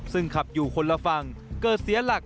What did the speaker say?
ซึ่งขับอยู่คนละฝั่งเกิดเสียหลัก